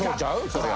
そりゃ。